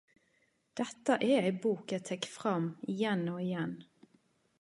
Dette er ei bok eg tek fram igjen og igjen.